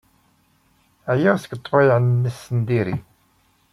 Ɛyiɣ seg ḍḍbayeɛ-nnes n diri.